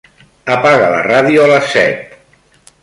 Apaga la ràdio a les set.